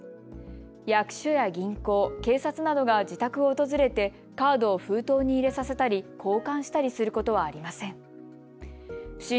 役所や銀行、警察などが自宅を訪れてカードを封筒に入れさせたり、交換したりすることはありません。